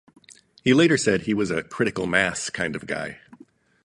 He later said he was a "Critical Mass" kind of guy.